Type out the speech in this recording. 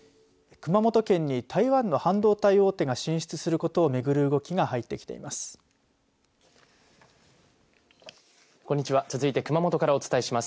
熊本県に台湾の半導体大手が進出することを巡る動きが入ってきています。